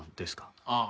ああ。